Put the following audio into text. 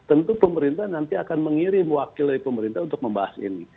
tentu pemerintah nanti akan mengirim wakil dari pemerintah untuk membahas ini